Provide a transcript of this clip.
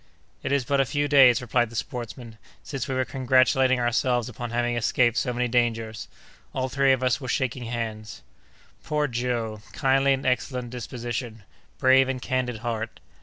"It is but a few days," replied the sportsman, "since we were congratulating ourselves upon having escaped so many dangers! All three of us were shaking hands!" "Poor Joe! kindly and excellent disposition! brave and candid heart!